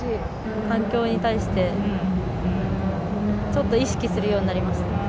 環境に対してちょっと意識するようになりました。